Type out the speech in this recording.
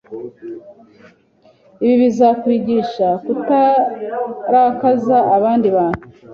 Ibi bizakwigisha kutarakaza abandi bantu